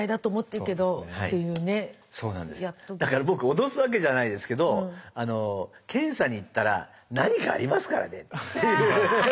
だから僕脅すわけじゃないですけど検査に行ったら何かありますからね。